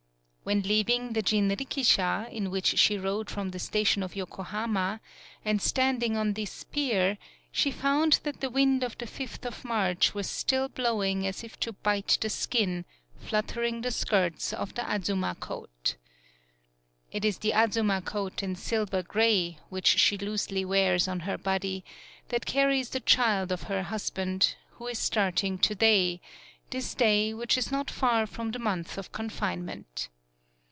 When leaving the jinrikisha, in which she rode from the station of Yoko hama, and standing on this pier, she found that the wind of the fifth of March was still blowing as if to bite the skin, fluttering the skirts of the Azuma coat. It is the Azuma coat in silver gray, which she loosely wears on her body, that carries the child of her husband, who is starting to day, this day which is not far from the month of confine ment.